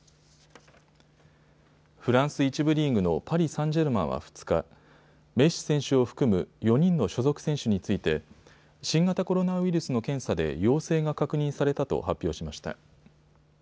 フランス１部リーグのパリサンジェルマンは２日、メッシ選手を含む４人の所属選手について新型コロナウイルスの検査で陽性が確認されたと発表しました。